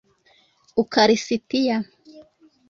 ukarisitiya